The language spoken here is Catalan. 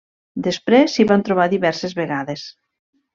Després s'hi van trobar diverses vegades.